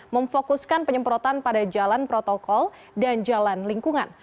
memfokuskan penyemprotan pada jalan protokol dan jalan lingkungan